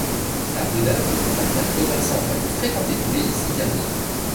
La Rue Neuve, l'artère commerçante la plus fréquentée du pays, s'y termine.